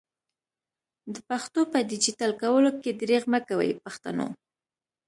د پښتو په ډيجيټل کولو کي درېغ مکوئ پښتنو!